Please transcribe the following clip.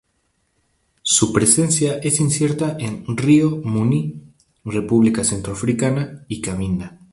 Su presencia es incierta en Río Muni, República Centroafricana y Cabinda.